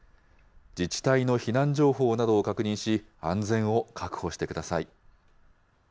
自治体の避難情報などを確認し、安全を確保してください。